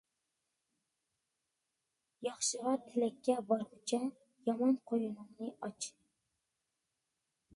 ياخشىغا تىلەككە بارغۇچە، يامان قوينۇڭنى ئاچ.